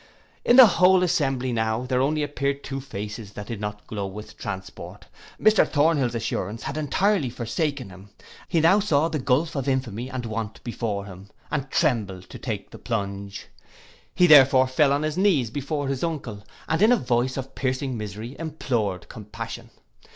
In the whole assembly now there only appeared two faces that did not glow with transport. Mr Thornhill's assurance had entirely forsaken him: he now saw the gulph of infamy and want before him, and trembled to take the plunge. He therefore fell on his knees before his uncle, and in a voice of piercing misery implored compassion.